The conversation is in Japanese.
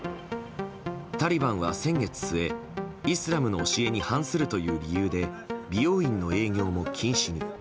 タリバンは先月末イスラムの教えに反するという理由で美容院の営業も禁止に。